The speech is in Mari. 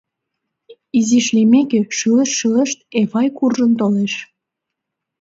Изиш лиймеке, шӱлешт-шӱлешт, Эвай куржын толеш.